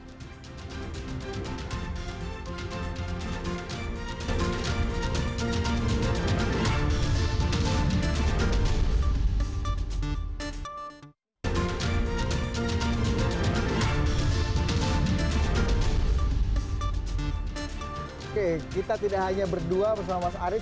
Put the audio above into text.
oke kita tidak hanya berdua bersama mas arief